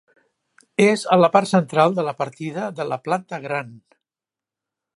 És a la part central de la partida de La Planta Gran.